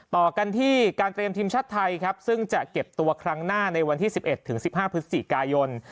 ต่อกันที่การเตรียมทีมชาติไทยครับซึ่งจะเก็บตัวครั้งหน้าในวันที่๑๑ถึง๑๕พฤศจิกายน